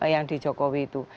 yang di jokowi itu